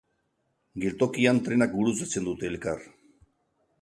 Geltokian trenak gurutzatzen dute elkar.